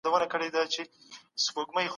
علمي کبر د پوه کس لویه کمزوري ګڼل کېږي.